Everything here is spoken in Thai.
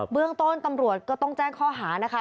เรื่องต้นตำรวจก็ต้องแจ้งข้อหานะคะ